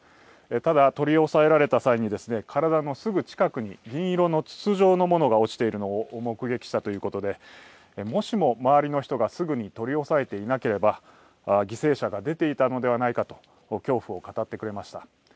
ただ取り押さえられた際に体のすぐ近くに銀色の筒状の物が落ちているのを目撃したということで、もしも周りの人がすぐに取り押さえていなければ犠牲者が出ていたのではないかと恐怖を語ってくれました。